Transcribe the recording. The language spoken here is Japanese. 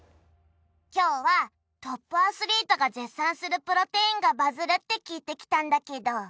今日はトップアスリートが絶賛するプロテインがバズるって聞いて来たんだけど